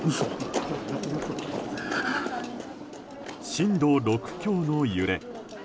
震度６強の揺れ。